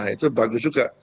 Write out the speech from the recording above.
itu bagus juga